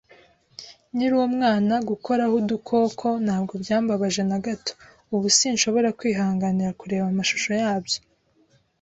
Nkiri umwana, gukoraho udukoko ntabwo byambabaje na gato. Ubu sinshobora kwihanganira kureba amashusho yabyo